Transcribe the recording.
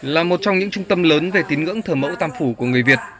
là một trong những trung tâm lớn về tín ngưỡng thờ mẫu tam phủ của người việt